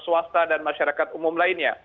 swasta dan masyarakat umum lainnya